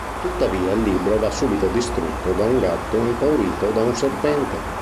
Tuttavia il libro va subito distrutto da un gatto impaurito da un serpente.